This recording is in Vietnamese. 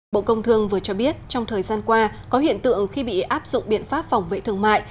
bộ công thương vừa cho biết trong thời gian qua có hiện tượng khi bị áp dụng biện pháp phòng vệ thương mại